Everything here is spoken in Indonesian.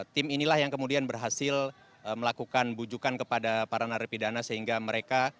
tim inilah yang kemudian berhasil melakukan bujukan kepada para narapidana sehingga mereka